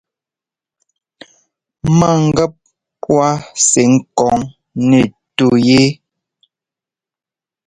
Ma gap waa sɛ́ ɛ́kɔŋ nɛ́ tɔyɛ́.